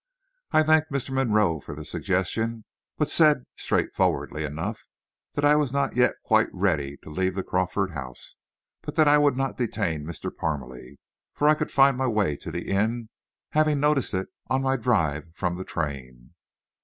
I thanked Mr. Monroe for the suggestion, but said, straightforwardly enough, that I was not yet quite ready to leave the Crawford house, but that I would not detain Mr. Parmalee, for I could myself find my way to the inn, having noticed it on my drive from the train.